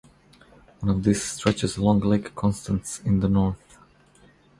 One of these stretches along Lake Constance in the north.